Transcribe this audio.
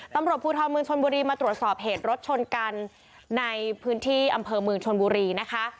ตำรวจภูทรเมืองชนบุรีมาตรวจสอบเหตุรถชนกันในพื้นที่อำเภอเมืองชนบุรีนะคะ